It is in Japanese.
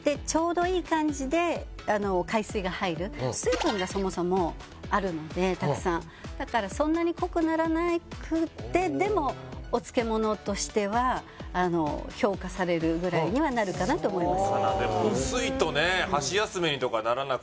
水分がそもそもあるのでたくさんだからそんなに濃くならなくてでもお漬物としては評価されるぐらいにはなるかなと思います